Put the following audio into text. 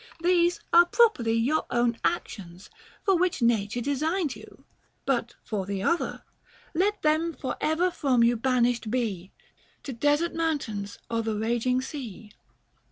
These are properly your own actions, for which nature designed you ; but for the other, Let them for ever from you banished be, To desert mountains or the raging sea.